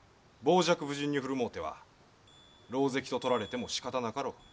傍若無人に振る舞うては狼藉ととられてもしかたなかろう。